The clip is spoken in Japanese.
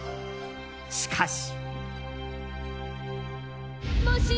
しかし。